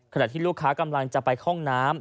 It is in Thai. ขณะที่ลูกค้ากำลังจะไปห้องน้ำ